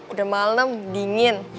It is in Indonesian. udah malem dingin